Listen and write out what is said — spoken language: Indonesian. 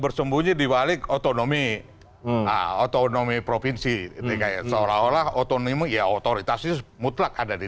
bersembunyi diwalik otonomi otonomi provinsi seolah olah otonomi ya otoritas mutlak ada di